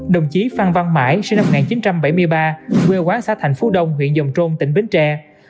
đồng chí phan văn mãi sinh năm một nghìn chín trăm bảy mươi ba quê quán xã thành phú đông huyện dòng trôn tỉnh bến tre